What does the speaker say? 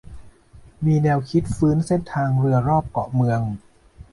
มีแนวคิดฟื้นเส้นทางเรือรอบเกาะเมือง